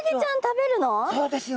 そうですよ。